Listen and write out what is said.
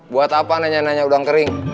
buat apa nanya nanya udang kering